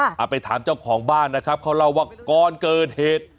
เอาไปถามเจ้าของบ้านนะครับเขาเล่าว่าก่อนเกิดเหตุ